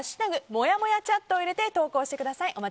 「＃もやもやチャット」を入れて投稿してください。